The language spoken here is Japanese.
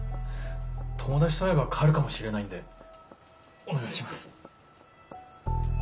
友達と会えば変わるかもしれないんでお願いします。